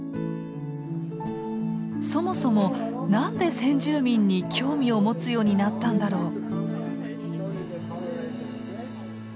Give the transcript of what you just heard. そもそも何で先住民に興味を持つようになったんだろう？